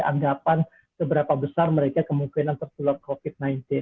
anggapan seberapa besar mereka kemungkinan tertular covid sembilan belas